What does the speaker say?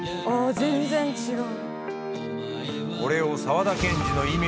全然違う。